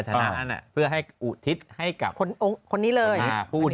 ทำไมไม่ตั้งใจรู้